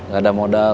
gak ada modal